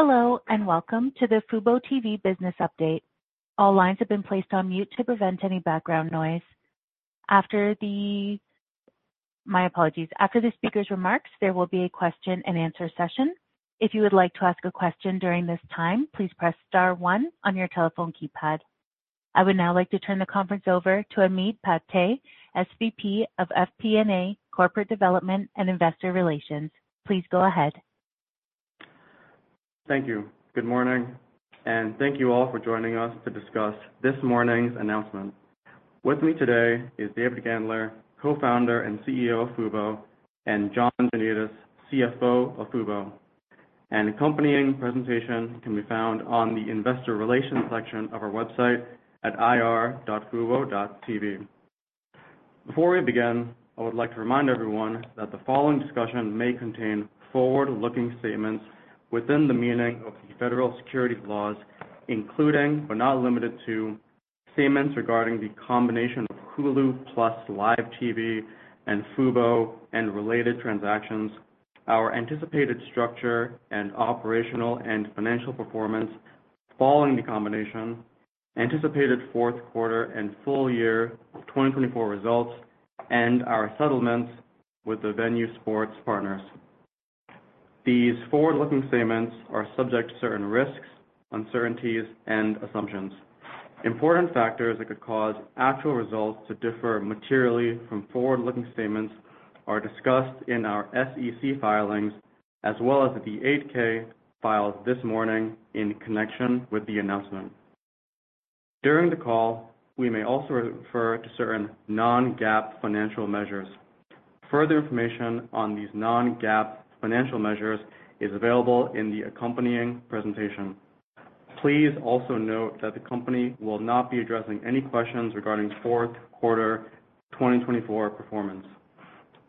Hello, and welcome to the FuboTV business update. All lines have been placed on mute to prevent any background noise. After the, my apologies, after the speaker's remarks, there will be a question-and-answer session. If you would like to ask a question during this time, please press star one on your telephone keypad. I would now like to turn the conference over to Amit Patt, SVP of FP&A Corporate Development and Investor Relations. Please go ahead. Thank you. Good morning, and thank you all for joining us to discuss this morning's announcement. With me today is David Gandler, co-founder and CEO of Fubo, and John Janedis, CFO of Fubo. An accompanying presentation can be found on the Investor Relations section of our website at ir.fubo.tv. Before we begin, I would like to remind everyone that the following discussion may contain forward-looking statements within the meaning of the federal securities laws, including but not limited to statements regarding the combination of Hulu + Live TV and Fubo and related transactions, our anticipated structure and operational and financial performance following the combination, anticipated fourth quarter and full year 2024 results, and our settlements with the Venu sports partners. These forward-looking statements are subject to certain risks, uncertainties, and assumptions. Important factors that could cause actual results to differ materially from forward-looking statements are discussed in our SEC filings as well as the 8-K filed this morning in connection with the announcement. During the call, we may also refer to certain non-GAAP financial measures. Further information on these non-GAAP financial measures is available in the accompanying presentation. Please also note that the company will not be addressing any questions regarding fourth quarter 2024 performance.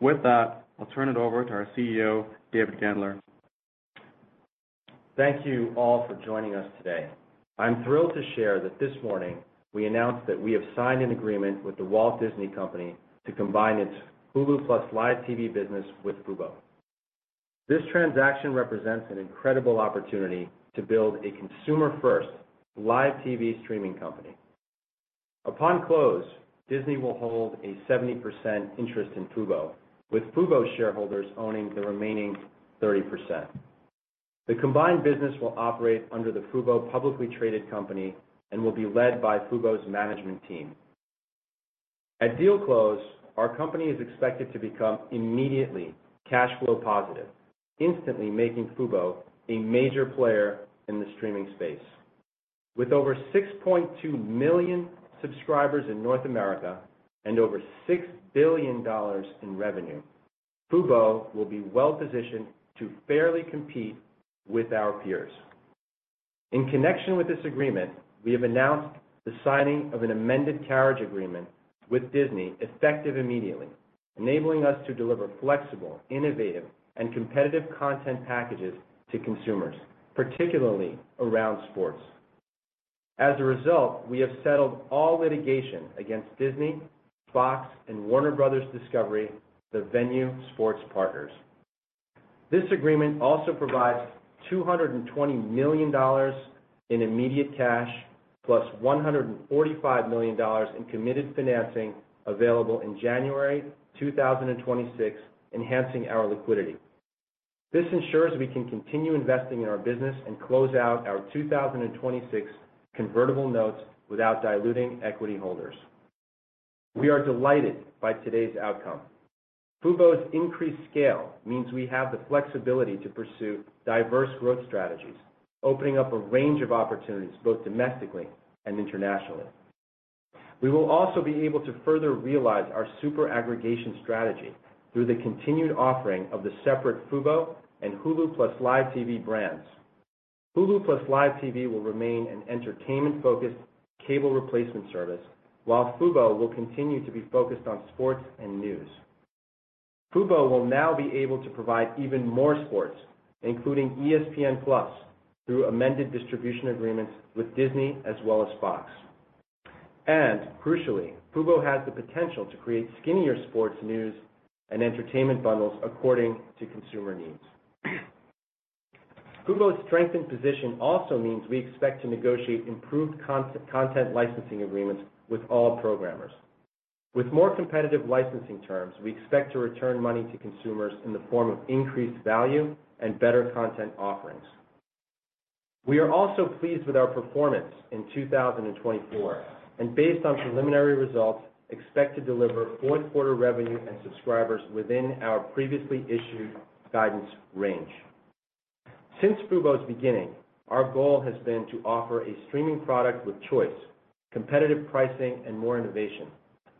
With that, I'll turn it over to our CEO, David Gandler. Thank you all for joining us today. I'm thrilled to share that this morning we announced that we have signed an agreement with the Walt Disney Company to combine its Hulu + Live TV business with Fubo. This transaction represents an incredible opportunity to build a consumer-first live TV streaming company. Upon close, Disney will hold a 70% interest in Fubo, with Fubo shareholders owning the remaining 30%. The combined business will operate under the Fubo publicly traded company and will be led by Fubo's management team. At deal close, our company is expected to become immediately cash flow positive, instantly making Fubo a major player in the streaming space. With over 6.2 million subscribers in North America and over $6 billion in revenue, Fubo will be well positioned to fairly compete with our peers. In connection with this agreement, we have announced the signing of an amended carriage agreement with Disney, effective immediately, enabling us to deliver flexible, innovative, and competitive content packages to consumers, particularly around sports. As a result, we have settled all litigation against Disney, Fox, and Warner Bros. Discovery, the Venu sports partners. This agreement also provides $220 million in immediate cash, plus $145 million in committed financing available in January 2026, enhancing our liquidity. This ensures we can continue investing in our business and close out our 2026 convertible notes without diluting equity holders. We are delighted by today's outcome. Fubo's increased scale means we have the flexibility to pursue diverse growth strategies, opening up a range of opportunities both domestically and internationally. We will also be able to further realize our super aggregation strategy through the continued offering of the separate Fubo and Hulu + Live TV brands. Hulu + Live TV will remain an entertainment-focused cable replacement service, while Fubo will continue to be focused on sports and news. Fubo will now be able to provide even more sports, including ESPN+, through amended distribution agreements with Disney as well as Fox. And crucially, Fubo has the potential to create skinnier sports news and entertainment bundles according to consumer needs. Fubo's strengthened position also means we expect to negotiate improved content licensing agreements with all programmers. With more competitive licensing terms, we expect to return money to consumers in the form of increased value and better content offerings. We are also pleased with our performance in 2024 and, based on preliminary results, expect to deliver fourth quarter revenue and subscribers within our previously issued guidance range. Since Fubo's beginning, our goal has been to offer a streaming product with choice, competitive pricing, and more innovation,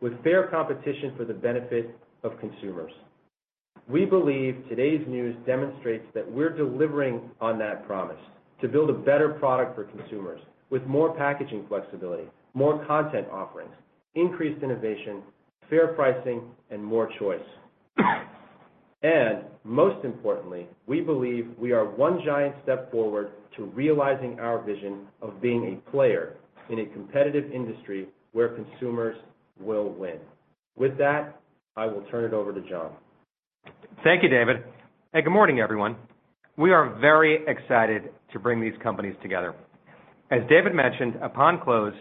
with fair competition for the benefit of consumers. We believe today's news demonstrates that we're delivering on that promise to build a better product for consumers with more packaging flexibility, more content offerings, increased innovation, fair pricing, and more choice, and most importantly, we believe we are one giant step forward to realizing our vision of being a player in a competitive industry where consumers will win. With that, I will turn it over to John. Thank you, David. And good morning, everyone. We are very excited to bring these companies together. As David mentioned, upon close,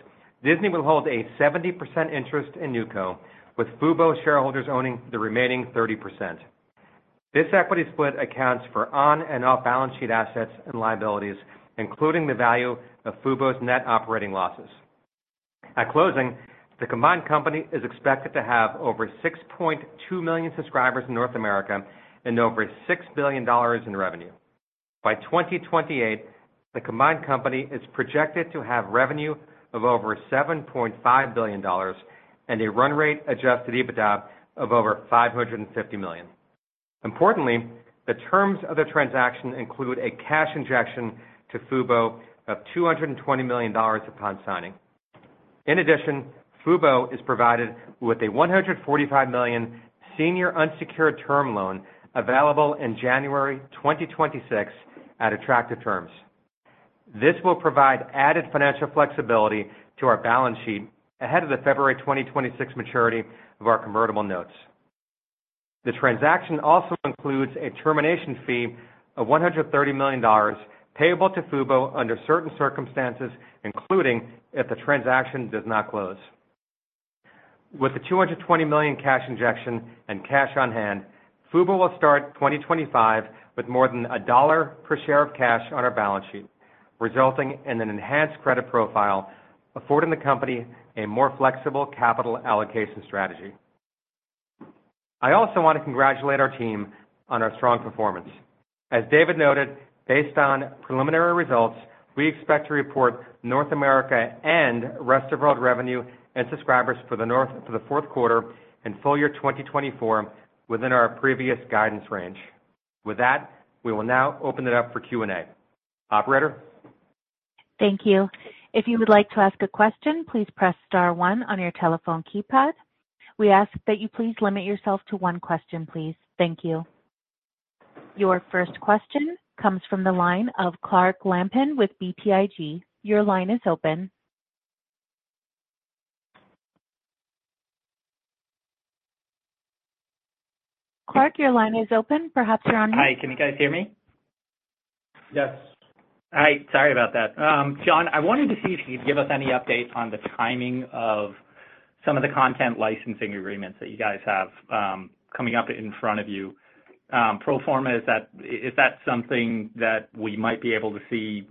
Disney will hold a 70% interest in NewCo, with Fubo shareholders owning the remaining 30%. This equity split accounts for on- and off-balance sheet assets and liabilities, including the value of Fubo's net operating losses. At closing, the combined company is expected to have over 6.2 million subscribers in North America and over $6 billion in revenue. By 2028, the combined company is projected to have revenue of over $7.5 billion and a run rate adjusted EBITDA of over $550 million. Importantly, the terms of the transaction include a cash injection to Fubo of $220 million upon signing. In addition, Fubo is provided with a $145 million senior unsecured term loan available in January 2026 at attractive terms. This will provide added financial flexibility to our balance sheet ahead of the February 2026 maturity of our convertible notes. The transaction also includes a termination fee of $130 million payable to Fubo under certain circumstances, including if the transaction does not close. With the $220 million cash injection and cash on hand, Fubo will start 2025 with more than $1 per share of cash on our balance sheet, resulting in an enhanced credit profile, affording the company a more flexible capital allocation strategy. I also want to congratulate our team on our strong performance. As David noted, based on preliminary results, we expect to report North America and Rest of World revenue and subscribers for the fourth quarter and full year 2024 within our previous guidance range. With that, we will now open it up for Q&A. Operator. Thank you. If you would like to ask a question, please press star one on your telephone keypad. We ask that you please limit yourself to one question, please. Thank you. Your first question comes from the line of Clark Lampen with BTIG. Your line is open. Clark, your line is open. Perhaps you're on mute. Hi. Can you guys hear me? Yes. Hi. Sorry about that. John, I wanted to see if you could give us any update on the timing of some of the content licensing agreements that you guys have coming up in front of you. Pro forma, is that something that we might be able to see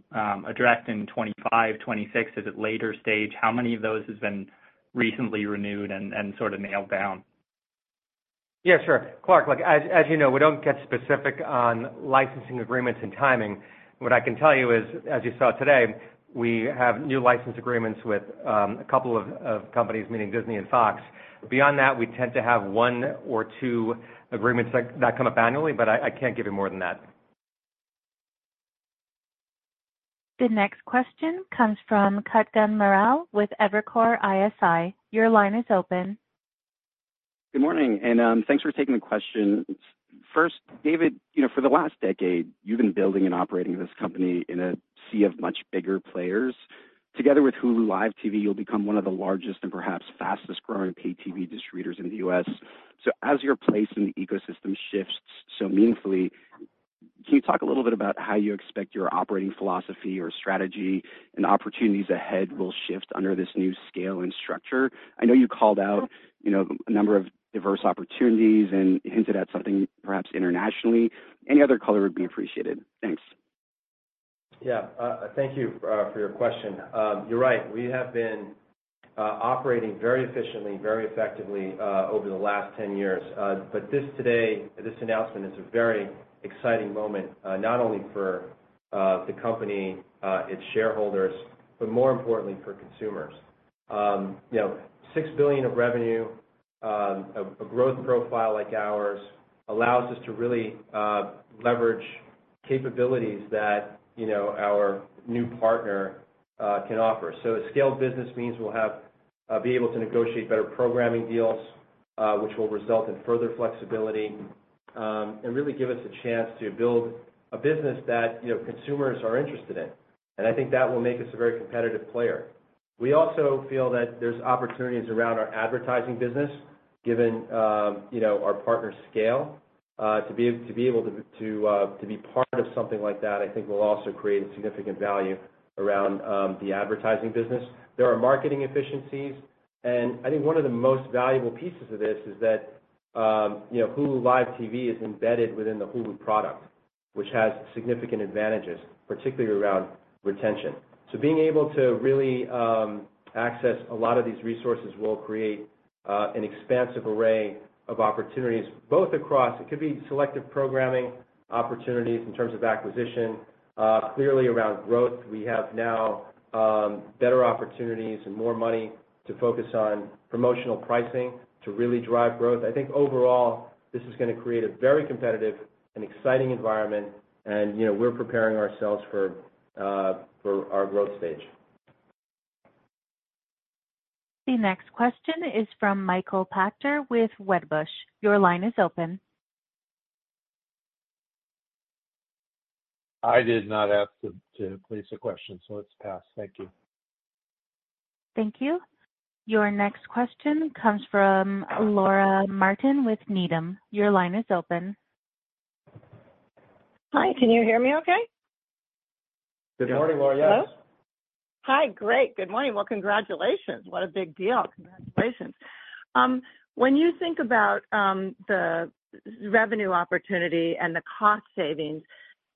addressed in 2025, 2026? Is it later stage? How many of those have been recently renewed and sort of nailed down? Yeah, sure. Clark, look, as you know, we don't get specific on licensing agreements and timing. What I can tell you is, as you saw today, we have new license agreements with a couple of companies, meaning Disney and Fox. Beyond that, we tend to have one or two agreements that come up annually, but I can't give you more than that. The next question comes from Kutgun Maral with Evercore ISI. Your line is open. Good morning, and thanks for taking the question. First, David, for the last decade, you've been building and operating this company in a sea of much bigger players. Together with Hulu Live TV, you'll become one of the largest and perhaps fastest-growing pay-TV distributors in the U.S. So as your place in the ecosystem shifts so meaningfully, can you talk a little bit about how you expect your operating philosophy or strategy and opportunities ahead will shift under this new scale and structure? I know you called out a number of diverse opportunities and hinted at something perhaps internationally. Any other color would be appreciated. Thanks. Yeah. Thank you for your question. You're right. We have been operating very efficiently, very effectively over the last 10 years. But this today, this announcement is a very exciting moment, not only for the company, its shareholders, but more importantly, for consumers. $6 billion of revenue, a growth profile like ours, allows us to really leverage capabilities that our new partner can offer. So a scaled business means we'll be able to negotiate better programming deals, which will result in further flexibility and really give us a chance to build a business that consumers are interested in. And I think that will make us a very competitive player. We also feel that there's opportunities around our advertising business, given our partner's scale. To be able to be part of something like that, I think, will also create a significant value around the advertising business. There are marketing efficiencies. And I think one of the most valuable pieces of this is that Hulu + Live TV is embedded within the Hulu product, which has significant advantages, particularly around retention. So being able to really access a lot of these resources will create an expansive array of opportunities, both across it could be selective programming opportunities in terms of acquisition. Clearly, around growth, we have now better opportunities and more money to focus on promotional pricing to really drive growth. I think overall, this is going to create a very competitive and exciting environment, and we're preparing ourselves for our growth stage. The next question is from Michael Pachter with Wedbush. Your line is open. I did not ask to place a question, so it's passed. Thank you. Thank you. Your next question comes from Laura Martin with Needham. Your line is open. Hi. Can you hear me okay? Good morning, Laura. Yes. Hi. Great. Good morning. Well, congratulations. What a big deal. Congratulations. When you think about the revenue opportunity and the cost savings,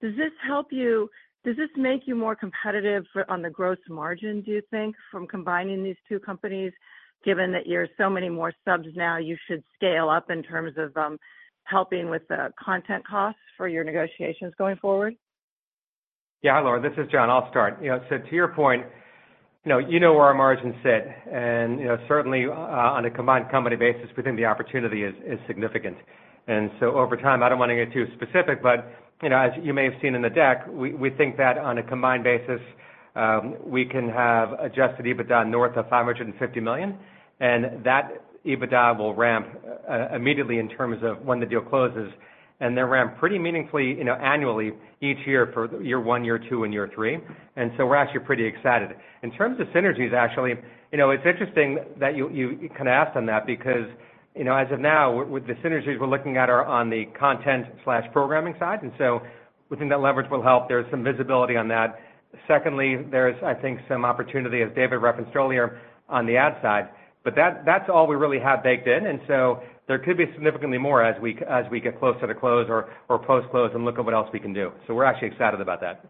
does this help you? Does this make you more competitive on the gross margin, do you think, from combining these two companies, given that you're so many more subs now? You should scale up in terms of helping with the content costs for your negotiations going forward. Yeah, Laura, this is John. I'll start. So to your point, you know where our margins sit. And certainly, on a combined company basis, the opportunity within is significant. And so over time, I don't want to get too specific, but as you may have seen in the deck, we think that on a combined basis, we can have adjusted EBITDA north of $550 million. And that EBITDA will ramp immediately in terms of when the deal closes. And they ramp pretty meaningfully annually each year for year one, year two, and year three. And so we're actually pretty excited. In terms of synergies, actually, it's interesting that you kind of asked on that because as of now, the synergies we're looking at are on the content/programming side. And so we think that leverage will help. There's some visibility on that. Secondly, there's, I think, some opportunity, as David referenced earlier, on the ad side. But that's all we really have baked in. And so there could be significantly more as we get closer to close or post-close and look at what else we can do. So we're actually excited about that.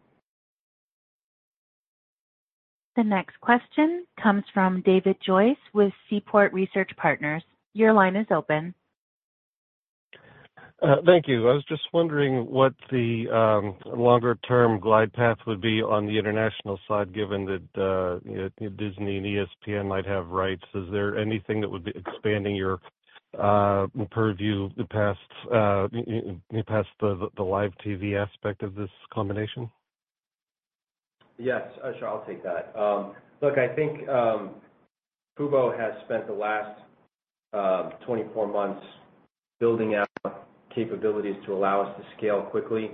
The next question comes from David Joyce with Seaport Research Partners. Your line is open. Thank you. I was just wondering what the longer-term glide path would be on the international side, given that Disney and ESPN might have rights. Is there anything that would be expanding your purview past the live TV aspect of this combination? Yes. Sure. I'll take that. Look, I think Fubo has spent the last 24 months building out capabilities to allow us to scale quickly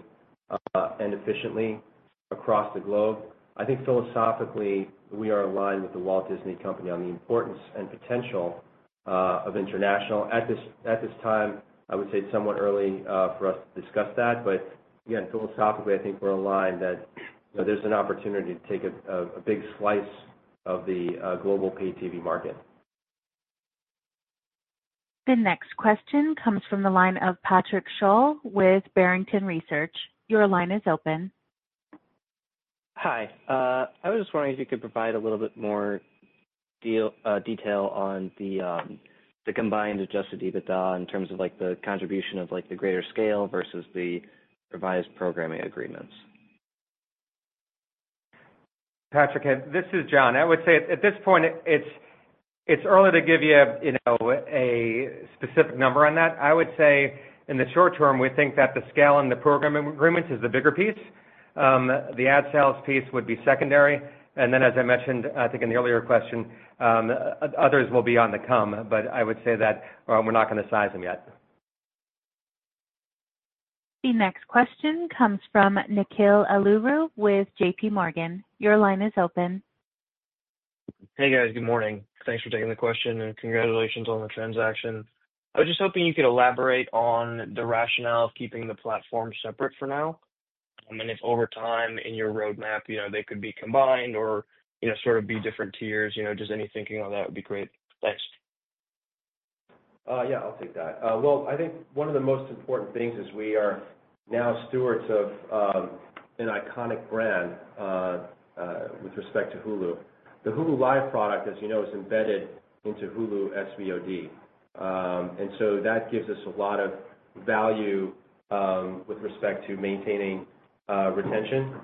and efficiently across the globe. I think philosophically, we are aligned with The Walt Disney Company on the importance and potential of international. At this time, I would say it's somewhat early for us to discuss that. But again, philosophically, I think we're aligned that there's an opportunity to take a big slice of the global pay-TV market. The next question comes from the line of Patrick Sholl with Barrington Research. Your line is open. Hi. I was just wondering if you could provide a little bit more detail on the combined adjusted EBITDA in terms of the contribution of the greater scale versus the revised programming agreements? Patrick, this is John. I would say at this point, it's early to give you a specific number on that. I would say in the short term, we think that the scale and the programming agreements is the bigger piece. The ad sales piece would be secondary. And then, as I mentioned, I think in the earlier question, others will be on the come, but I would say that we're not going to size them yet. The next question comes from Nikhil Aluru with J.P. Morgan. Your line is open. Hey, guys. Good morning. Thanks for taking the question and congratulations on the transaction. I was just hoping you could elaborate on the rationale of keeping the platform separate for now, and if over time in your roadmap, they could be combined or sort of be different tiers, just any thinking on that would be great. Thanks. Yeah, I'll take that. Well, I think one of the most important things is we are now stewards of an iconic brand with respect to Hulu. The Hulu live product, as you know, is embedded into Hulu SVOD. And so that gives us a lot of value with respect to maintaining retention.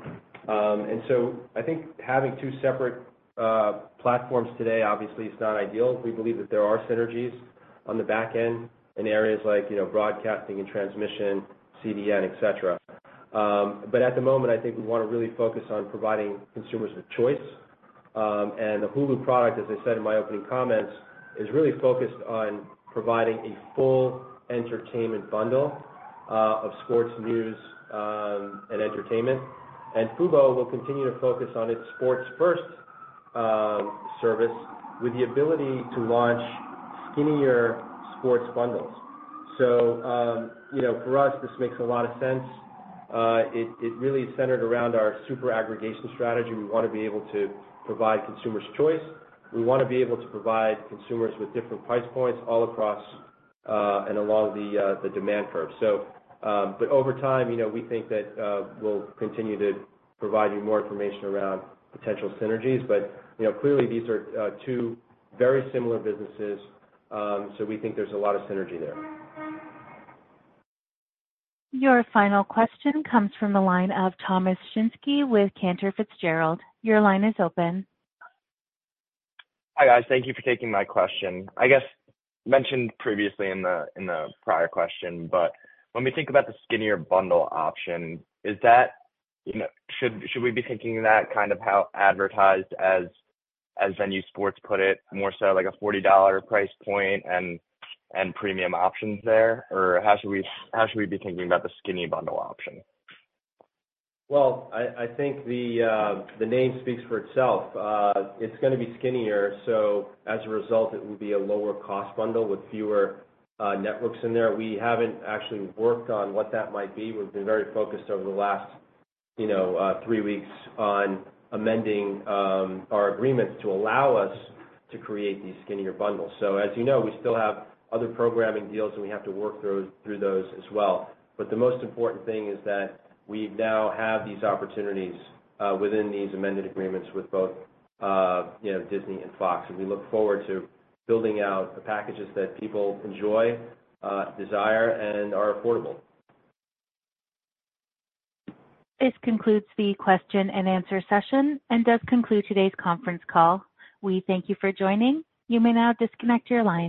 And so I think having two separate platforms today, obviously, is not ideal. We believe that there are synergies on the back end in areas like broadcasting and transmission, CDN, etc. But at the moment, I think we want to really focus on providing consumers with choice. And the Hulu product, as I said in my opening comments, is really focused on providing a full entertainment bundle of sports, news, and entertainment. And Fubo will continue to focus on its sports-first service with the ability to launch skinnier sports bundles. So for us, this makes a lot of sense. It really is centered around our super aggregation strategy. We want to be able to provide consumers choice. We want to be able to provide consumers with different price points all across and along the demand curve. But over time, we think that we'll continue to provide you more information around potential synergies. But clearly, these are two very similar businesses, so we think there's a lot of synergy there. Your final question comes from the line of Thomas Shinsky with Cantor Fitzgerald. Your line is open. Hi, guys. Thank you for taking my question. I guess mentioned previously in the prior question, but when we think about the skinnier bundle option, should we be thinking of that kind of how advertised as Venu Sports put it, more so like a $40 price point and premium options there? Or how should we be thinking about the skinny bundle option? I think the name speaks for itself. It's going to be skinnier. So as a result, it will be a lower-cost bundle with fewer networks in there. We haven't actually worked on what that might be. We've been very focused over the last three weeks on amending our agreements to allow us to create these skinnier bundles. So as you know, we still have other programming deals, and we have to work through those as well. But the most important thing is that we now have these opportunities within these amended agreements with both Disney and Fox. And we look forward to building out the packages that people enjoy, desire, and are affordable. This concludes the question and answer session and does conclude today's conference call. We thank you for joining. You may now disconnect your line.